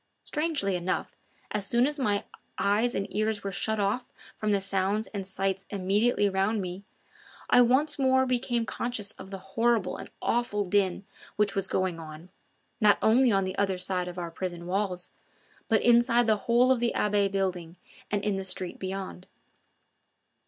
Strangely enough, as soon as my eyes and ears were shut off from the sounds and sights immediately round me, I once more became conscious of the horrible and awful din which was going on, not only on the other side of our prison walls, but inside the whole of the Abbaye building and in the street beyond.